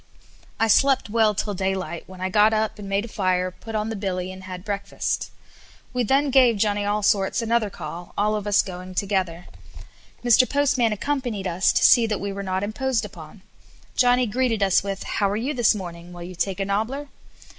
I slept well till daylight, when I got up and made a fire, put on the billy, and had breakfast. We then gave Johnny Allsorts another call, all of us going together. Mr. Postman accompanied us to see that we were not imposed upon. Johnny greeted us with, "How are you this morning? Will you take a nobbler?"